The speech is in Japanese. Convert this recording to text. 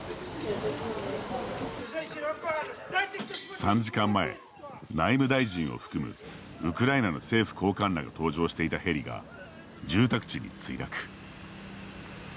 ３時間前、内務大臣を含むウクライナの政府高官らが搭乗していたヘリが住宅地に墜落。